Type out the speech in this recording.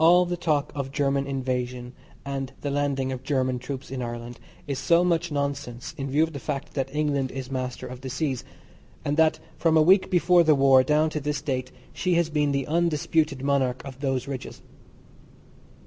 All the talk of German invasion and the landing of German troops in Ireland is so much nonsense in view of the fact that England is master of the seas, and that from a week before the war down to this date she has been the undisputed monarch of those ridges.